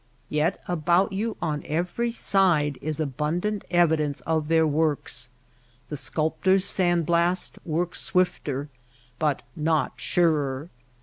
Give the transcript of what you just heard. Yet about you on every side is abundant evidence of their works. The sculptor^s sand blast works swifter but not surer.